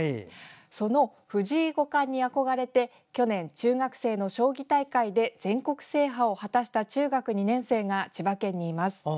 その藤井五冠に憧れて去年、中学生の将棋大会で全国制覇を果たした中学２年生が千葉県にいます。